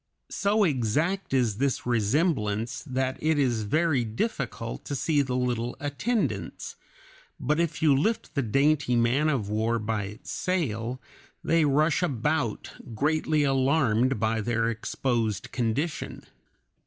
So exact is this resemblance that it is very difficult to see the little attendants, but if you lift the dainty man of war by its sail, they rush about greatly alarmed by their exposed condition.